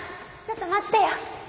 ちょっと待ってよ！